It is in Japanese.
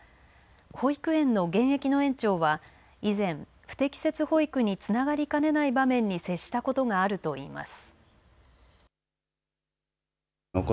保育園の現役の園長は以前、不適切保育につながりかねない場面に接したことがあると言います。